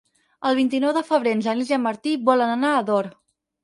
El vint-i-nou de febrer en Genís i en Martí volen anar a Ador.